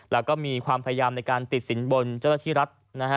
แล้วก็มีความพยายามในการติดสินบนเจ้าหน้าที่รัฐนะฮะ